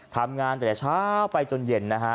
ทำงานแต่เช้าไปจนเย็นนะฮะ